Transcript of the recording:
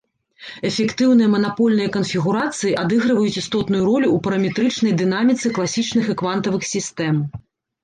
Эфектыўныя манапольныя канфігурацыі адыгрываюць істотную ролю ў параметрычнай дынаміцы класічных і квантавых сістэм.